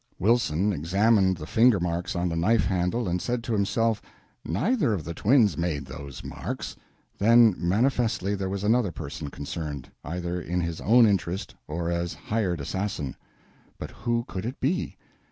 Wilson examined the finger marks on the knife handle and said to himself, "Neither of the twins made those marks." Then manifestly there was another person concerned, either in his own interest or as hired assassin. But who could it be?